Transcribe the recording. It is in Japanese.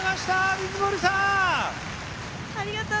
水森さん！